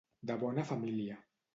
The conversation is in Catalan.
De bona família.